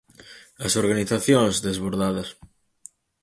As organizacións, desbordadas.